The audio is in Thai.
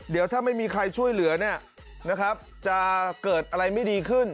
เดี๋ยวถ้าไม่มีใครช่วยเหลือเนี่ยนะครับจะเกิดอะไรไม่ดีขึ้น